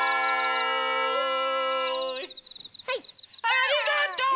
ありがとう！